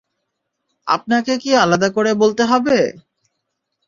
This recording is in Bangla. আপনাকে কী আলাদা করে বলতে হবে?